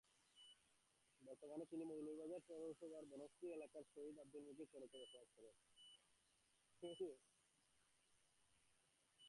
বর্তমানে তিনি মৌলভীবাজার পৌরসভার বনশ্রী এলাকার শহীদ আবদুল মুকিত সড়কে বসবাস করেন।